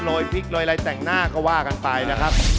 ยพริกโรยอะไรแต่งหน้าก็ว่ากันไปนะครับ